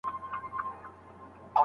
صالحه ميرمن صبر او قناعت لري.